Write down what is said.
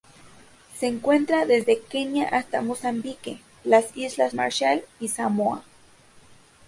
Se encuentra desde Kenia hasta Mozambique, las Islas Marshall y Samoa.